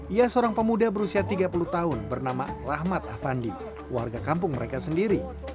ia seorang pemuda berusia tiga puluh tahun bernama rahmat afandi warga kampung mereka sendiri